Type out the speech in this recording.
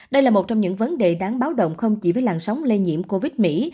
đây là một trong những vấn đề đáng báo động không chỉ với làn sóng lây nhiễm covid một mươi chín mỹ